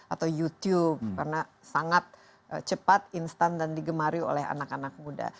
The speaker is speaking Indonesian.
atau youtube karena sangat cepat instan dan digemari oleh anak anak muda